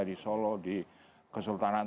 di solo di kesultanan